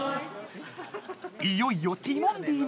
いよいよティモンディのダンス。